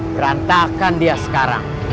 berantakan dia sekarang